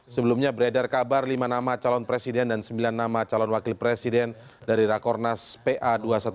sebelumnya beredar kabar lima nama calon presiden dan sembilan nama calon wakil presiden dari rakornas pa dua ratus dua belas